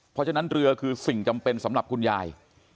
เพราะฉะนั้นเรือคือสิ่งจำเป็นสำหรับคุณยาย